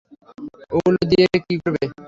ওগুলো দিয়ে কী করবে?